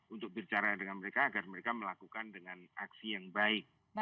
untuk bicara dengan mereka agar mereka melakukan dengan aksi yang baik